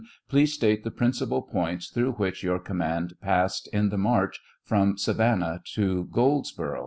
Please state the principal points through which your command passed in the march from Savannah to Goldsboro'.